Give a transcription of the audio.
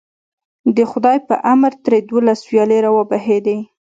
د خدای په امر ترې دولس ویالې راوبهېدې.